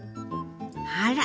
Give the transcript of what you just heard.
あら！